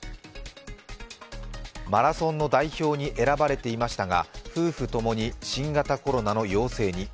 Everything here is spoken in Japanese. マラソンの代表に選ばれていましたが夫婦ともに新型コロナの陽性に。